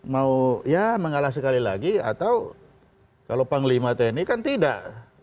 mau ya mengalah sekali lagi atau kalau panglima tni kan tidak